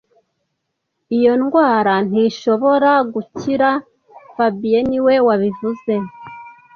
Iyo ndwara ntishobora gukira fabien niwe wabivuze